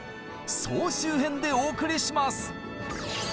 総集編でお送りします！